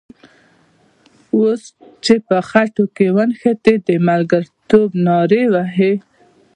اوس چې په خټو کې ونښتې د ملګرتوب نارې وهې.